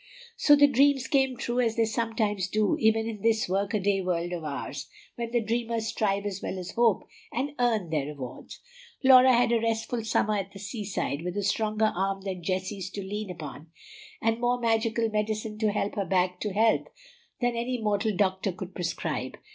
So the dreams came true, as they sometimes do even in this work a day world of ours, when the dreamers strive as well as hope, and earn their rewards. Laura had a restful summer at the seaside, with a stronger arm than Jessie's to lean upon, and more magical medicine to help her back to health than any mortal doctor could prescribe.